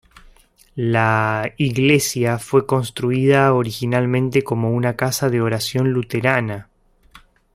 La iglesia fue construida originalmente como una casa de oración luterana.